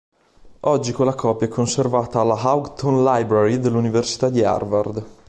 Oggi quella copia è conservata alla "Houghton Library" dell'Università di Harvard.